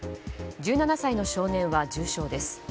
１７歳の少年は重傷です。